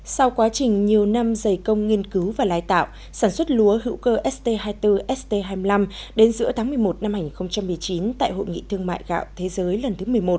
sau quá trình nhiều năm dày công nghiên cứu và lai tạo sản xuất lúa hữu cơ st hai mươi bốn st hai mươi năm đến giữa tháng một mươi một năm hai nghìn một mươi chín tại hội nghị thương mại gạo thế giới lần thứ một mươi một